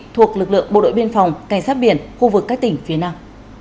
thuộc lực lượng bộ đội biên phòng cảnh sát biển khu vực các tỉnh phía nam